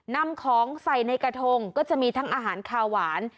นำของใส่ในกระทงก็จะมีทั้งอาหารคาหวาน